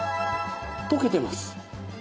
溶けてます。